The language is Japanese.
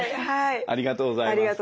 ありがとうございます。